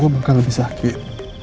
gue bakal lebih sakit